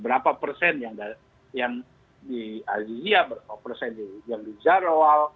berapa persen yang di al jizya berapa persen yang di jarawal